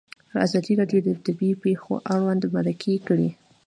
ازادي راډیو د طبیعي پېښې اړوند مرکې کړي.